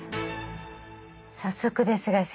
早速ですが先生。